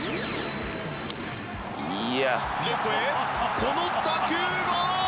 レフトへこの打球が！